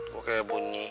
gue kayak bunyi